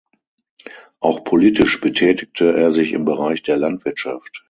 Auch politisch betätigte er sich im Bereich der Landwirtschaft.